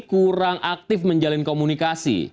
kurang aktif menjalin komunikasi